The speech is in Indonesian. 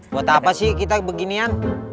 buat apa sih kita beginian